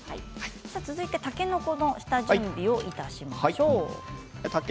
続いてたけのこの下準備をいたしましょう。